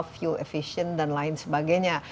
fuel efficience dan lain sebagainya